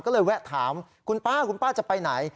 ก็เลยแวะถามคุณป้าคุณป้าจะไปไหน